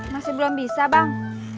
masih belum bisa bang